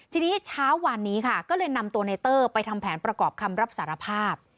ทีนี้เช้าวันนี้ค่ะก็เลยนำตัวในเตอร์ไปทำแผนประกอบคำรับสารภาพ